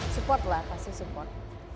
support lah kasih support